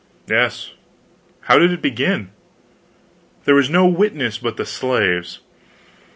"Yes. How did it begin?" "There was no witness but the slaves.